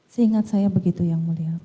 saya ingat saya begitu yang mulia